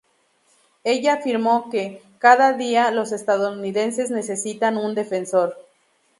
Ella afirmó que: "Cada día, los estadounidenses necesitan un defensor.